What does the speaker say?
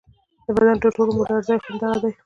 د بدن تر ټولو مردار ځای خو همدغه دی.